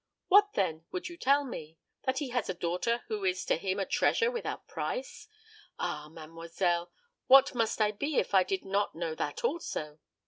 What, then, would you tell me? That he has a daughter who is to him a treasure without price? Ah, mademoiselle, what must I be if I did not know that also?